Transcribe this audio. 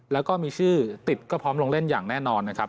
แล้วก็มีชื่อติดก็พร้อมลงเล่นอย่างแน่นอนนะครับ